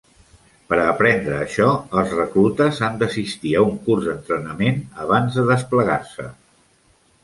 Per a aprendre això, els "reclutes" han d'assistir a un curs d'entrenament abans de desplegar-se.